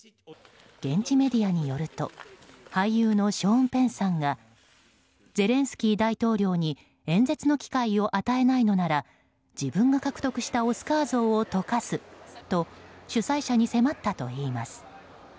現地メディアによると俳優のショーン・ペンさんがゼレンスキー大統領に演説の機会を与えないのなら自分が獲得したオスカー像を溶かすと主催者に迫ったといいます。